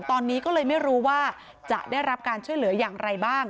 ตอนนี้ก็เลยไม่รู้ว่าจะได้รับการช่วยเหลืออย่างไรบ้าง